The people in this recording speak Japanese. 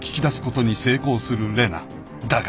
［だが］